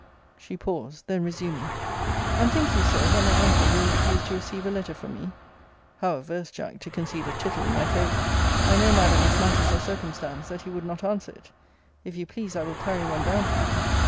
She paused then resuming and think you, Sir, that my uncle will refuse to receive a letter from me? [How averse, Jack, to concede a tittle in my favour!] I know, Madam, as matters are circumstanced, that he would not answer it. If you please I will carry one down from you.